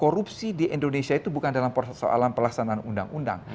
korupsi di indonesia itu bukan dalam persoalan pelaksanaan undang undang